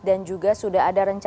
dan juga sudah ada rencana